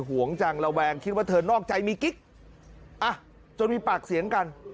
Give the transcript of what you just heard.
หวงจังระแวงคิดว่าเธอนอกใจมีกิ๊กอ่ะจนมีปากเสียงกัน